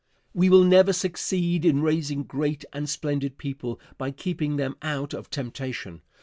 We will never succeed in raising great and splendid people by keeping them out of temptation.